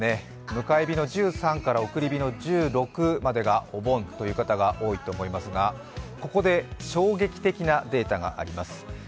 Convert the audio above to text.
迎え火の１３日から送り火の１６までがお盆という方が多いと思いますがここで衝撃的なデータがあります。